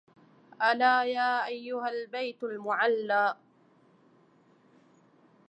ألا يا أيها البيت المعلى